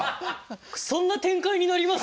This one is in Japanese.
そんな展開になります？